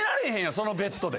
そのベッドで。